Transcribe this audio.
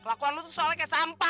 kelakuan lu tuh soalnya kayak sampah